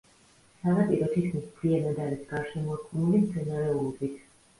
სანაპირო თითქმის მთლიანად არის გარშემორტყმული მცენარეულობით.